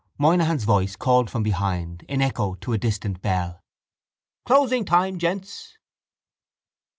Moynihan's voice called from behind in echo to a distant bell: —Closing time, gents!